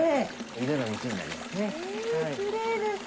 井戸の水になりますね。